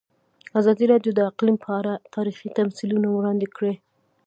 ازادي راډیو د اقلیم په اړه تاریخي تمثیلونه وړاندې کړي.